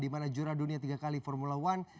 di mana juradunia tiga kali formula one